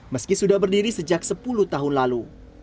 meski sudah berdiri sejak sepuluh tahun lalu